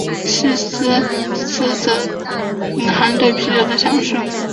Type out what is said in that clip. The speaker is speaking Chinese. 西里斯则隐含对啤酒的享受。